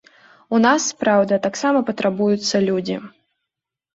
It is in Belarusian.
У нас, праўда, таксама патрабуюцца людзі.